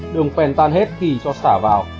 đường phèn tan hết khi cho sả vào